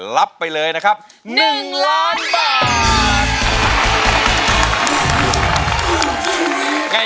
รับไปเลยนะครับ๑ล้านบาท